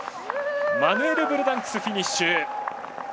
マヌエル・ブルダンクスフィニッシュ。